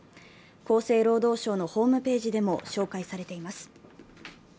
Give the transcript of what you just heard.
厚生労働省のホームページでも紹介されています。